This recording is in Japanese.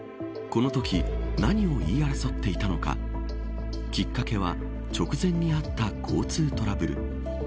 このとき何を言い争っていたのかきっかけは直前にあった交通トラブル。